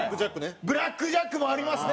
『ブラック・ジャック』もありますね。